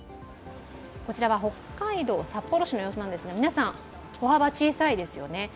こちらは北海道札幌市の様子なんですが皆さん、歩幅小さいですよね。